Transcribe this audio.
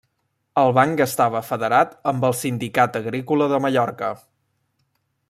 El banc estava federat amb el Sindicat Agrícola de Mallorca.